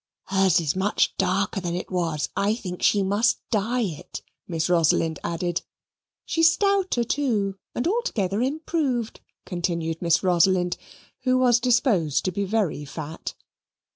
"Hers is much darker than it was; I think she must dye it," Miss Rosalind added. "She is stouter, too, and altogether improved," continued Miss Rosalind, who was disposed to be very fat.